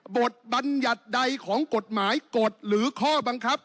บัญญัติใดของกฎหมายกฎหรือข้อบังคับ